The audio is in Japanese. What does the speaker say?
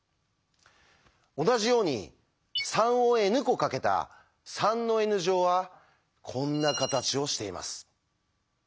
同じように３をｎ個かけた３のｎ乗はこんな形をしています。